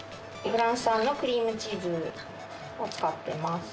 ・フランス産のクリームチーズを使ってます